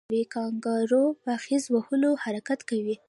کانګارو په خیز وهلو حرکت کوي